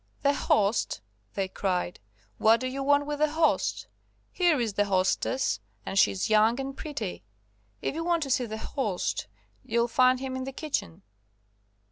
"The host," they cried; "what do you want with the host? Here is the hostess, and she's young and pretty. If you want to see the host you'll find him in the kitchen."